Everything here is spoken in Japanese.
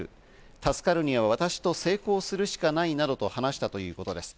助かるには私と性交するしかないなどと話したということです。